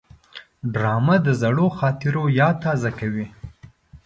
ډرامه د زړو خاطرو یاد تازه کوي